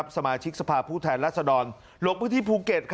สมาชิกสภาพผู้แทนรัศดรลงพื้นที่ภูเก็ต